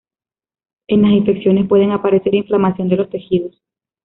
En las infecciones pueden aparecer inflamación de los tejidos.